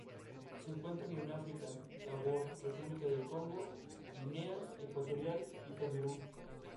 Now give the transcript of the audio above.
Se encuentran en África: Gabón, República del Congo, Guinea Ecuatorial y Camerún.